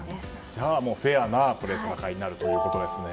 じゃあ、フェアな戦いになるということですね。